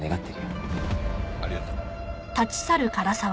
ありがとう。